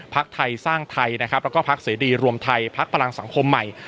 พักไทยสร้างไทยนะครับแล้วก็พักเสรีรวมไทยพักพลังสังคมใหม่